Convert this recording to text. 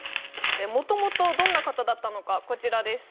もともとどんな方だったのかこちらです